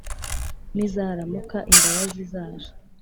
nizaramuka imbabazi zaje,